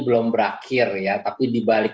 belum berakhir ya tapi dibalik